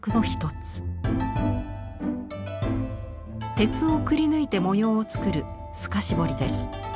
鉄をくり抜いて模様を作る透彫です。